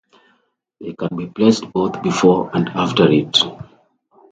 They can be placed both before and after it.